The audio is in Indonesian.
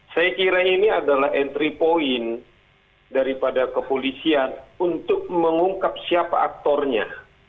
saya kira ini adalah entry point daripada kepolisian untuk mengungkap siapa aktornya